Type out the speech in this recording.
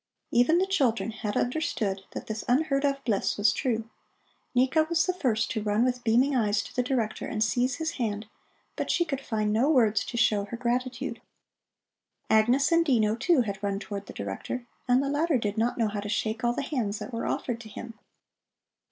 Even the children had understood that this unheard of bliss was true. Nika was the first to run with beaming eyes to the Director and to seize his hand, but she could find no words to show her gratitude. Agnes and Dino, too, had run towards the Director, and the latter did not know how to shake all the hands that were offered to him.